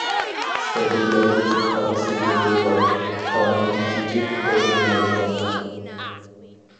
سەبىيلەردىن قايسى بىرى بار، قارنى كېچىپ ئوينىمايدىغان.